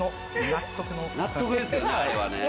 納得ですよね